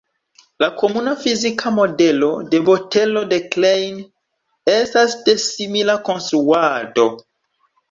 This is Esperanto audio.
La komuna fizika modelo de botelo de Klein estas de simila konstruado.